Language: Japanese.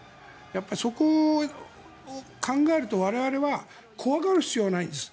やっぱり、そこを考えると我々は怖がる必要はないんです。